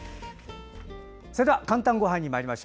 それでは「かんたんごはん」です。